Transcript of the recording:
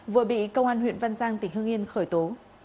vừa bị công an huyện văn giang tp hcm khởi tố